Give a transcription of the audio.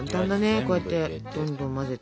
こうやってどんどん混ぜて。